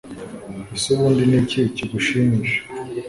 ese ubundi niki kigushimisha